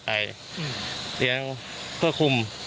การเลี้ยงเพื่อคุม